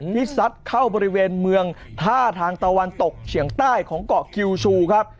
ซัดเข้าบริเวณเมืองท่าทางตะวันตกเฉียงใต้ของเกาะคิวชูครับ